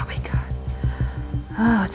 apa yang terjadi